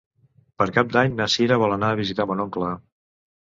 Per Cap d'Any na Sira vol anar a visitar mon oncle.